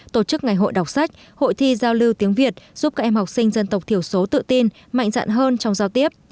tổ chức ngày hội đọc sách hội thi giao lưu tiếng việt giúp các em học sinh dân tộc thiểu số tự tin mạnh dạn hơn trong giao tiếp